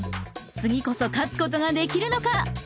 次こそ勝つことができるのか？